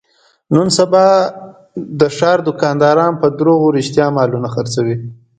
نن سبا د ښاردوکانداران په دروغ رښتیا مالونه خرڅوي.